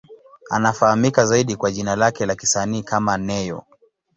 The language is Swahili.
Anafahamika zaidi kwa jina lake la kisanii kama Ne-Yo.